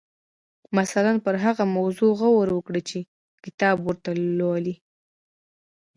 مثلاً پر هغه موضوع غور وکړئ چې کتاب ورته لولئ.